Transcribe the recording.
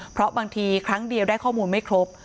เพราะบางทีครั้งเดียวได้ข้อมูลไม่ครบ